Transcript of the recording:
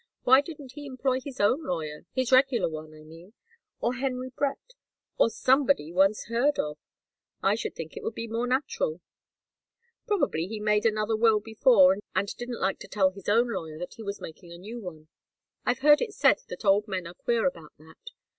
Why didn't he employ his own lawyer his regular one, I mean or Henry Brett, or somebody one's heard of? I should think it would be more natural." "Probably he had made another will before, and didn't like to tell his own lawyer that he was making a new one. I've heard it said that old men are queer about that.